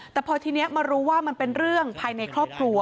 แต่พอทีนี้มารู้ว่ามันเป็นเรื่องภายในครอบครัว